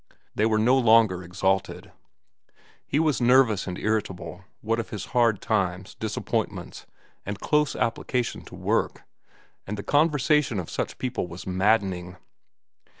They were no longer exalted. He was nervous and irritable, what of his hard times, disappointments, and close application to work, and the conversation of such people was maddening.